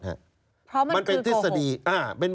เพราะมันคือโกหก